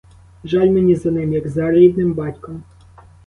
Жаль мені за ним, як за рідним батьком.